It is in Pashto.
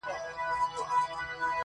غم لړلی نازولی دی کمکی دی-